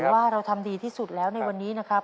ว่าเราทำดีที่สุดแล้วในวันนี้นะครับ